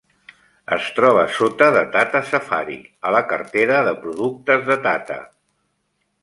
Es troba sota de Tata Safari a la cartera de productes de Tata.